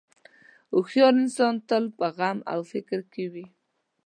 هوښیار انسان تل په غم او فکر کې وي.